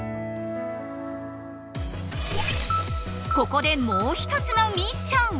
ここでもう一つのミッション！